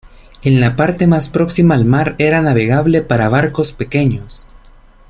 En la parte más próxima al mar era navegable para barcos pequeños.